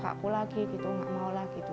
nanti aku lagi gitu nggak mau lagi gitu